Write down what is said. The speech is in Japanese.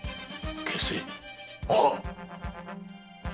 消せ。